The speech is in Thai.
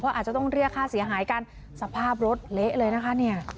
เพราะอาจจะต้องเรียกค่าเสียหายการสภาพรถเละเลยนะคะ